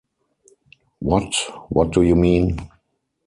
What — what do you mean?